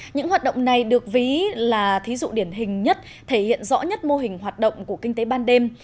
những hoạt động này được ví là thí dụ điển hình nhất thể hiện rõ nhất mô hình hoạt động của kinh tế ban đêm